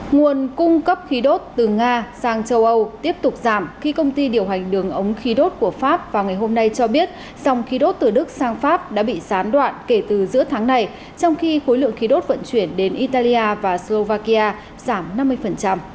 nguồn cung cấp khí đốt từ nga sang châu âu tiếp tục giảm khi công ty điều hành đường ống khí đốt của pháp vào ngày hôm nay cho biết dòng khí đốt từ đức sang pháp đã bị gián đoạn kể từ giữa tháng này trong khi khối lượng khí đốt vận chuyển đến italia và slovakia giảm năm mươi